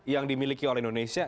yang dimiliki oleh indonesia